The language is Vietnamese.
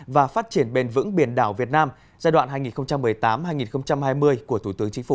và phát triển bền vững biển đảo việt nam giai đoạn hai nghìn một mươi tám hai nghìn hai mươi của thủ tướng chính phủ